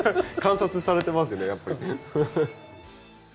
観察されてますねやっぱりね。